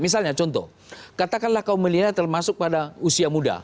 misalnya contoh katakanlah kaum milenial termasuk pada usia muda